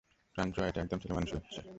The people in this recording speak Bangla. ফ্রান্সোয়া, এটা একদম ছেলেমানুষি হচ্ছে।